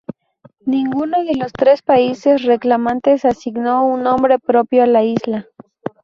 Ninguno de los tres países reclamantes asignó un nombre propio a la isla.